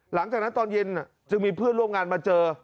หลังจากนั้นตอนเย็นจึงมีเพื่อนร่วมงานมาเจอ